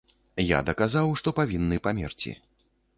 Я даказаў, што павінны памерці.